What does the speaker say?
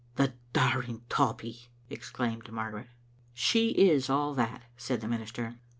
"^ "The daring tawpie!" exclaimed Margaret. "She is all that," said the minister.